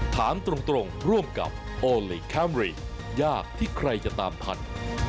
ถามตรงร่วมกับโอลี่คัมรี่ยากที่ใครจะตามทัน